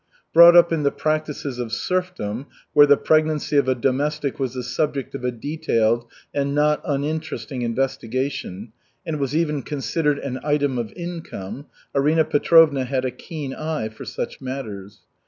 Brought up in the practices of serfdom, where the pregnancy of a domestic was the subject of a detailed and not uninteresting investigation, and was even considered an item of income, Arina Petrovna had a keen eye for such matters.